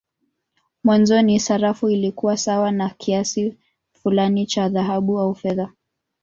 Mwanzoni sarafu ilikuwa sawa na kiasi fulani cha dhahabu au fedha.